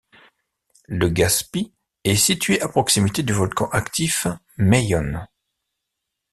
Legazpi est située à proximité du volcan actif Mayon.